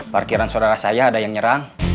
parkiran saudara saya ada yang nyerang